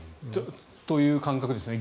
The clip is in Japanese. という感覚ですね。